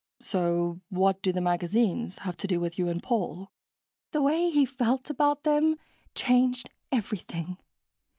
"So what do the magazines have to do with you and Paul?" "The way he felt about them changed everything.